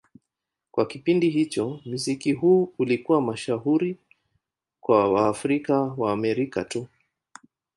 Kwa kipindi hicho, muziki huu ulikuwa mashuhuri kwa Waafrika-Waamerika tu.